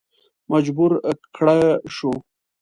مجبور کړه شو.